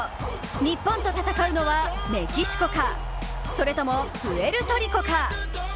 日本と戦うのはメキシコか、それとも、プエルトリコか。